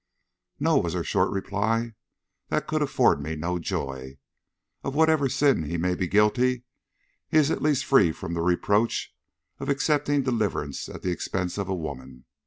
"No," was her short reply; "that could but afford me joy. Of whatever sin he may be guilty, he is at least free from the reproach of accepting deliverance at the expense of a woman.